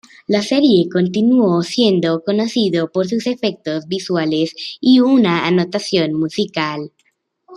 La serie continuó siendo conocido por sus efectos visuales y una anotación musical.